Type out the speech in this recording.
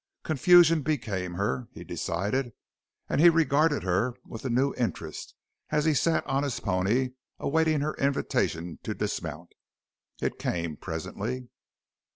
Confusion became her, he decided, and he regarded her with a new interest as he sat on his pony, awaiting her invitation to dismount. It came presently.